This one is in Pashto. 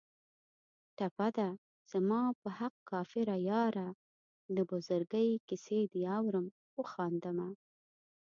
ټپه ده: زما په حق کافره یاره د بزرګۍ کیسې دې اورم و خاندمه